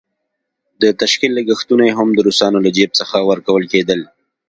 د تشکيل لګښتونه یې هم د روسانو له جېب څخه ورکول کېدل.